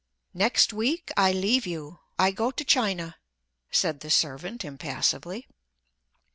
"Next week I leave you—I go to China," said the servant impassively.